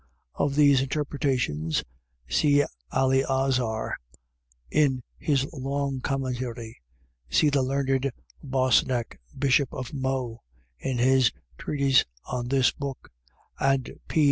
Of these interpretations, see Aleazar, in his long commentary; see the learned Bossnet, bishop of Meaux, in his treatise on this Book; and P.